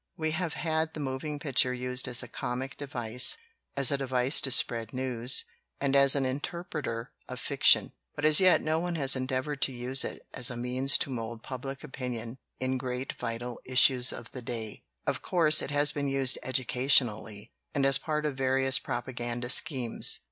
We have had the moving picture used as a comic device, as a de vice to spread news, and as an interpreter of fic tion. But as yet no one has endeavored to use it as a means to mold public opinion in great vital issues of the day. LITERATURE IN THE MAKING "Of course, it has been used educationally, and as part of various propaganda schemes.